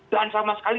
dan sama sekali